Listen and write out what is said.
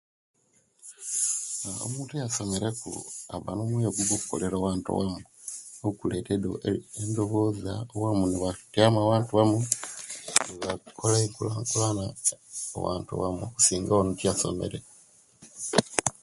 Omuntu eyasomereku aba no'moyo ogwokolera owantu owamu okuleta edo endoboza nebatiama owantu wamu nebakola enkulankulana owantu wamu okusinga oyo etiyasomere